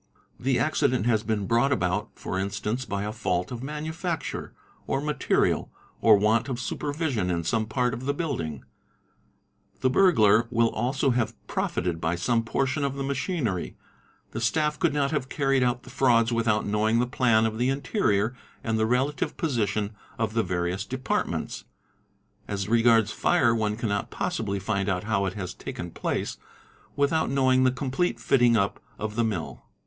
The accident has been brought about for instance by a fault — ORIENTATION 39 of manufacture, or material, or want of supervision in some part of the building ; the burglar will also have profited by some portion of the machinery; the staff could not have carried out the frauds without knowing the plan of the interior and the relative position of the various _ departments ; as regards fire one cannot possibly find how it has taken place without knowing the complete fitting up of the mill.